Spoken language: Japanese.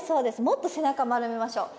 もっと背中丸めましょう